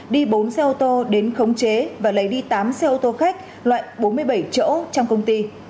đi bốn xe ô tô đến khống chế và lấy đi tám xe ô tô khách loại bốn mươi bảy chỗ trong công ty